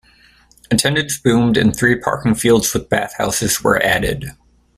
Attendance boomed, and three parking fields with bathhouses were added.